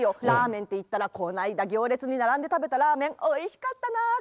ラーメンっていったらこないだぎょうれつにならんでたべたラーメンおいしかったな！